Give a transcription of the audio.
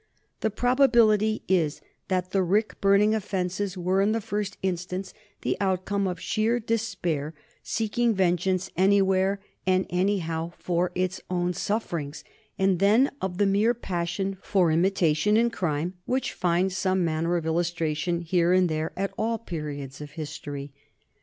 The probability is that the rick burning offences were, in the first instance, the outcome of sheer despair seeking vengeance anywhere and anyhow for its own sufferings, and then of the mere passion for imitation in crime which finds some manner of illustration here and there at all periods of history.